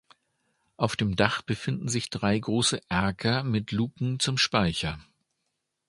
Auf dem Dach befinden sich drei große Erker mit Luken zum Speicher.